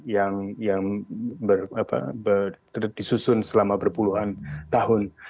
yang disusun selama berpuluhan tahun